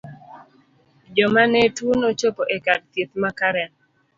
Joma ne tuo nochopo e kar thieth ma karen.